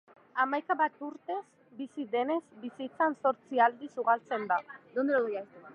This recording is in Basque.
Hamaika bat urtez bizi denez, bizitzan zortzi aldiz ugaltzen da.